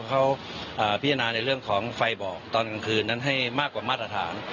เขาพิจารณาในเรื่องของไฟบอกตอนกลางคืนนั้นให้มากกว่ามาตรฐาน